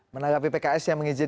menanggapi pks yang menginginkan